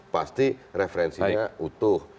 pasti referensinya utuh